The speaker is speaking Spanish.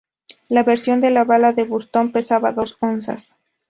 La versión de la bala de Burton pesaba dos onzas.